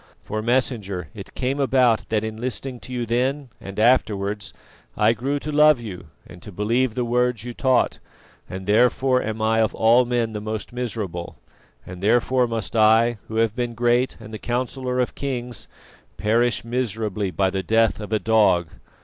For, Messenger, it came about that in listening to you then and afterwards, I grew to love you and to believe the words you taught, and therefore am I of all men the most miserable, and therefore must I, who have been great and the councillor of kings, perish miserably by the death of a dog.